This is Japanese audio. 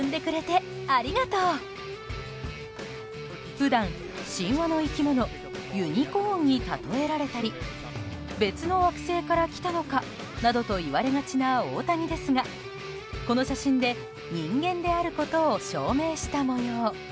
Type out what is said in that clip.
普段、神話の生き物ユニコーンに例えられたり別の惑星から来たのか？などと言われがちな大谷ですがこの写真で人間であることを証明したもよう。